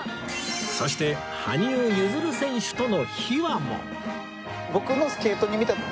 そして羽生結弦選手との秘話も